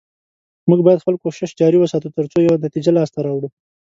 موږ باید خپل کوشش جاري وساتو، تر څو یوه نتیجه لاسته راوړو